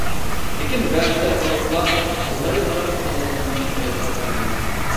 لېكىن بەزىدە تۇرۇپلا ئالغاي قاراپ قالغىنىنى بايقاپ قالىمەن.